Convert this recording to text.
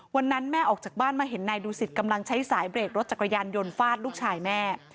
วันนั้นแม่ออกจากบ้านมาเห็นนายดูสิตกำลังใช้สายเบรกรถจักรยานยนต์ฟาดลูกชายแม่